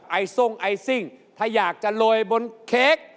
ทรงไอซิ่งถ้าอยากจะโรยบนเค้ก